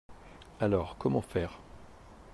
Alors, comment faire?